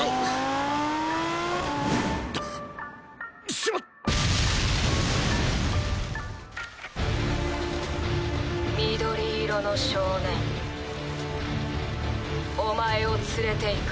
しまっ緑色の少年おまえをつれていく。